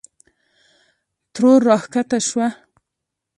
ترور راکښته شوه.